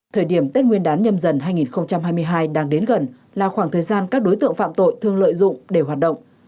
thời điểm tết nguyên đán nhâm dần hai nghìn hai mươi hai đang đến gần là khoảng thời gian các đối tượng phạm tội thường lợi dụng để hoạt động